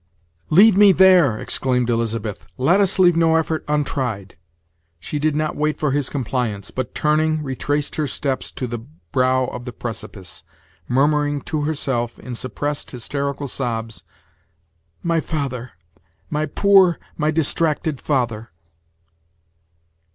"Lead me there," exclaimed Elizabeth; "let us leave no effort untried." She did not wait for his compliance, but turning, retraced her steps to the brow of the precipice, murmuring to herself, in suppressed, hysterical sobs, "My father! my poor, my distracted father!"